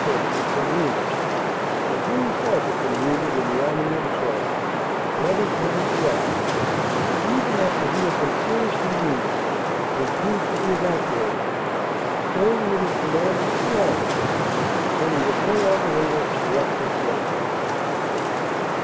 Pearkes had been wounded and who himself had been wounded in the Amiens show, led his men throughout, and even after he had been ser iously wounded refused to be evacuated, staying with his com mand for two hours until he was no longer able to direct his men.